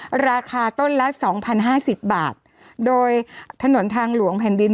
เนี่ย๒๐๘๖ต้นนะคะราคาต้นละ๒๐๕๐บาทโดยถนนทางหลวงแผ่นดิน